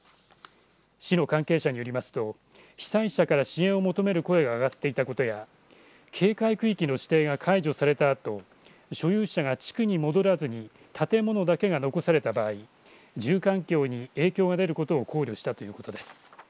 市の関係者によりますと被災者から支援を求める声が上がっていたことや警戒区域の指定が解除されたあと所有者が地区に戻らずに建物だけが残された場合住環境に影響が出ることを考慮したということです。